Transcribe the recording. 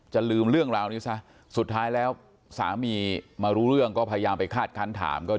ลืมเรื่องราวนี้ซะสุดท้ายแล้วสามีมารู้เรื่องก็พยายามไปคาดคันถามก็